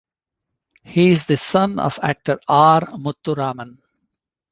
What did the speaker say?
He is the son of actor R. Muthuraman.